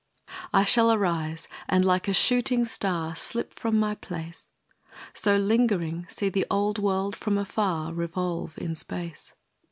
I shall arise, and like a shooting star Slip from my place; So lingering see the old world from afar Revolve in space.